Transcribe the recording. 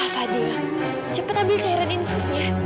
kak fadil cepat ambil cairan infusnya